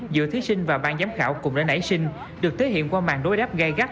giữa thí sinh và ban giám khảo cũng đã nảy sinh được thể hiện qua màn đối đáp gây gắt